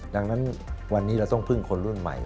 ดังนั้นวันนี้เราต้องพึ่งคนรุ่นใหม่